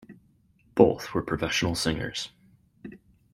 Both were professional singers.